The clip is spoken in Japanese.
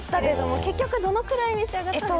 結局どのぐらい召し上がったんですか。